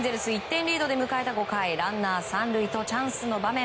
１点リードで迎えた５回ランナー３塁とチャンスの場面。